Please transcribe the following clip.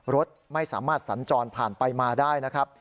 รถไม่สามารถสัญจรผ่านไปมาได้นะครับ